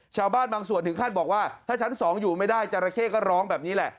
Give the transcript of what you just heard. ชาวบ้านบางส่วนถึงขั้นบอกว่าถ้าชั้น๒อยู่ไม่ได้จราเข้ก็ร้องแบบนี้แหละ